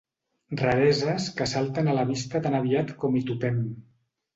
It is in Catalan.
Rareses que salten a la vista tan aviat com hi topem.